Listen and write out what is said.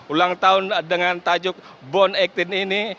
ulang tahun dengan tajuk born delapan belas ini